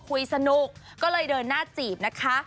คุยสนุกก็เลยเดินหน้าจีบนะคะ